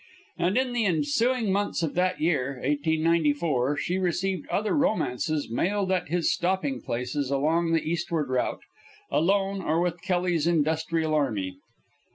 And in the ensuing months of that year, 1894, she received other romances mailed at his stopping places along the eastward route, alone or with Kelly's Industrial Army.